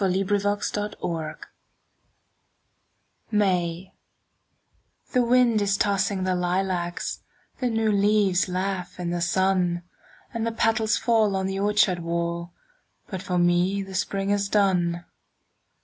Sara Teasdale May THE wind is tossing the lilacs, The new leaves laugh in the sun, And the petals fall on the orchard wall, But for me the spring is done.